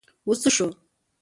اوس څه شو ؟